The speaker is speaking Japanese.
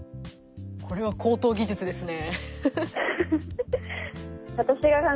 これは高等技術ですね。